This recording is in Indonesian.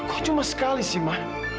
kok cuma sekali sih mah